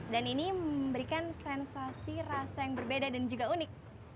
dan ini memberikan sensasi rasa yang berbeda dan juga unik